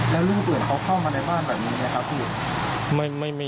แล้วเรื่องอื่นเขาเข้ามาในบ้านแบบนี้ไหมครับพี่